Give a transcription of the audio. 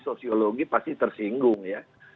sosiologi pasti tersinggung ya